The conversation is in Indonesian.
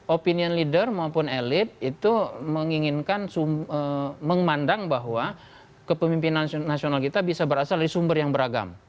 opinion leader maupun elit itu memandang bahwa kepemimpinan nasional kita bisa berasal dari sumber yang beragam